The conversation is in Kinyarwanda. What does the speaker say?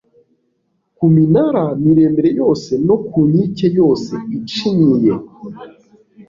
ku minara miremire yose no ku nkike yose icinyiye,